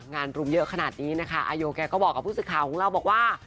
รุมเยอะขนาดนี้นะคะอาโยแกก็บอกกับผู้สื่อข่าวของเราบอกว่า